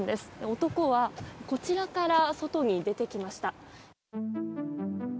男はこちらから外に出てきました。